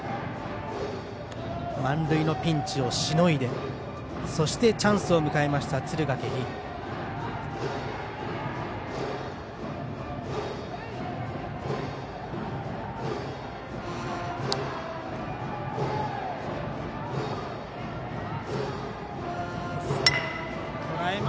満塁のピンチをしのいでそしてチャンスを迎えた敦賀気比。